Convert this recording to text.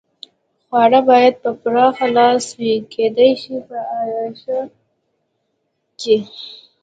خواړه باید په پراخه لاس وي، کېدای شي په اعاشه کې.